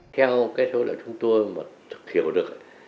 kheo kết hối là chúng tôi thực hiểu được